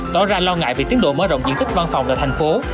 tỏ ra lo ngại về tiến độ mở rộng diện tích văn phòng ở thành phố